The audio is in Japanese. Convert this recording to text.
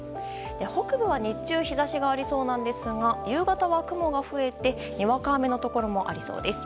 北部は日中、日差しがありそうですが夕方は雲が増えてにわか雨のところもありそうです。